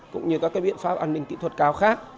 cũng như các biện pháp an ninh kỹ thuật cao khác